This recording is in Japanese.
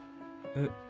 えっ？